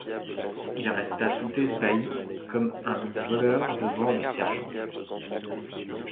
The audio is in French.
Il resta tout esbahy, comme ung voleur devant les sergens.